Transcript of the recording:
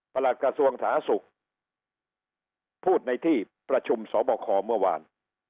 ประหลักกระทรวงศาสุขพูดในที่ประชุมสบคเมื่อวาน